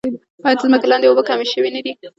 آیا د ځمکې لاندې اوبه کمې شوې نه دي؟